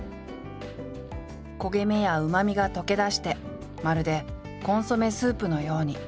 焦げ目やうまみが溶け出してまるでコンソメスープのように。